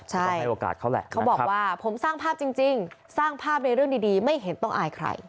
ใช่เขาบอกว่าผมสร้างภาพจริงสร้างภาพในเรื่องดีไม่เห็นต้องอายใคร